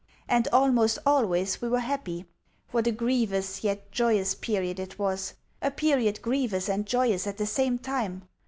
And almost always we were happy. What a grievous, yet joyous, period it was a period grievous and joyous at the same time!